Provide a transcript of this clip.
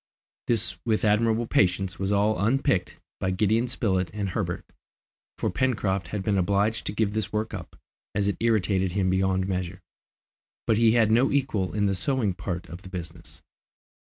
This with admirable patience was all unpicked by Gideon Spilett and Herbert, for Pencroft had been obliged to give this work up, as it irritated him beyond measure; but he had no equal in the sewing part of the business.